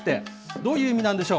どういう意味なんでしょう。